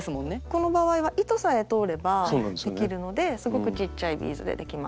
この場合は糸さえ通ればできるのですごくちっちゃいビーズでできます。